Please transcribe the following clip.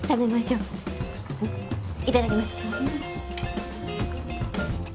うんいただきます。